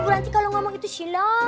ibu ranti kalau ngomong itu silap